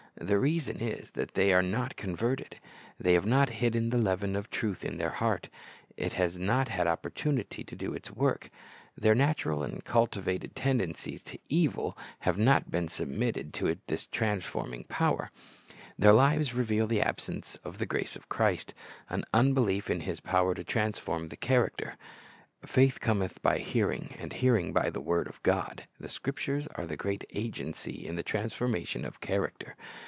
The reason is that they are not converted. They have not hidden the leaven of truth in the heart. It has not had opportunity to do its work. Their natural and cultivated tendencies to evil have *The maiined,' 917780 lOO C h rist's bj c ct Lessons not been submitted to its transforming power. Their lives reveal the absence of the grace of Christ, an unbelief in His power to transform the character. "Faith Cometh by hear ing, and hearing by the word of God." The Scrip tures are the great agency in the transformation of character.